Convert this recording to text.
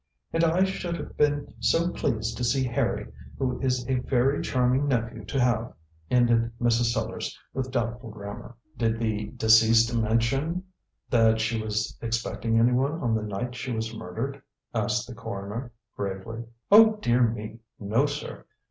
"And I should have been so pleased to see Harry, who is a very charming nephew to have," ended Mrs. Sellars, with doubtful grammar. "Did the deceased mention that she was expecting anyone on the night she was murdered?" asked the coroner gravely. "Oh, dear me, no, sir.